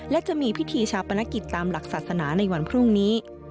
และจะมีพิธีชาปนกิจตามหลักศาสนาในวันพรุ่งนี้